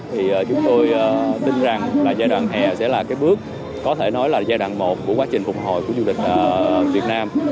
thì chúng tôi tin rằng là giai đoạn hè sẽ là cái bước có thể nói là giai đoạn một của quá trình phục hồi của du lịch việt nam